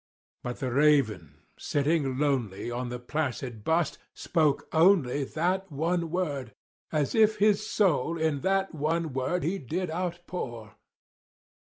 But the raven, sitting lonely on the placid bust, spoke only That one word, as if his soul in that one word he did outpour.